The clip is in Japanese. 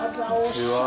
こんにちは